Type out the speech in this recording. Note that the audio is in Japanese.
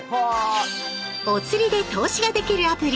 おつりで投資ができるアプリ。